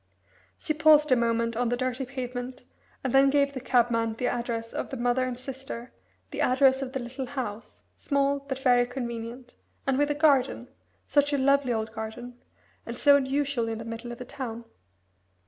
She paused a moment on the dirty pavement, and then gave the cabman the address of the mother and sister, the address of the little house small, but very convenient and with a garden such a lovely old garden and so unusual in the middle of a town.